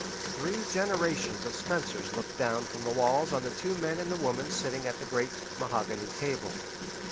Three generations of Spencers looked down from the walls on the two men and the woman sitting at the great mahogany table.